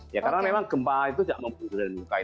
ya karena memang gempa itu tidak membutuhkan yang dimukai